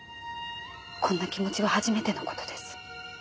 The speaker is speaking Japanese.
こんな気持ちは初めてのことです。